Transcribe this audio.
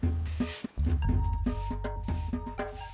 aduh bingung aneh bisa ludes